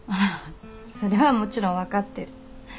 それはもちろん分かってる。